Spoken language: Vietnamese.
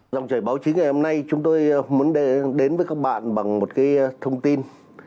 dòng chảy báo chí ngày hôm nay chúng tôi muốn đến với các bạn bằng một cái thông tin